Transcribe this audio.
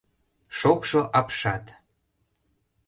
— Шокшо апшат...